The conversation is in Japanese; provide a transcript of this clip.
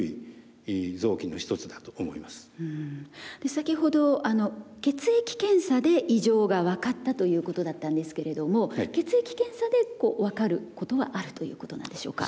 先ほど血液検査で異常が分かったということだったんですけれども血液検査で分かることがあるということなんでしょうか？